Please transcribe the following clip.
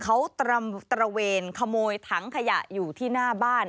เขาตระเวนขโมยถังขยะอยู่ที่หน้าบ้าน